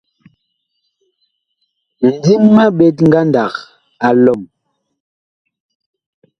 Mindim ma ɓet ngandag a lɔm.